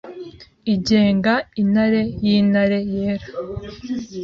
Igenga Intare yintare yera